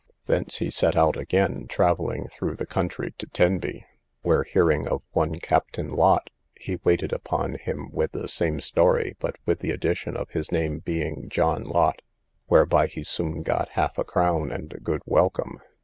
Thence he set out again, travelling through the country to Tenby, where, hearing of one Captain Lott, he waited upon him with the same story, but with the addition of his name being John Lott, whereby he soon got half a crown and a good welcome.